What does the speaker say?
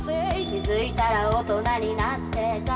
「気づいたら大人になっていた」